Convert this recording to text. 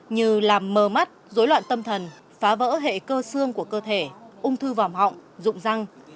như làm mờ mắt dối loạn tâm thần phá vỡ hệ cơ xương của cơ thể ung thư vòng họng dụng răng